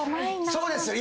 そうですよ。